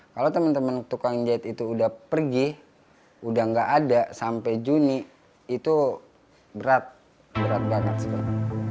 kalau teman teman tukang jahit itu sudah pergi sudah nggak ada sampai juni itu berat berat banget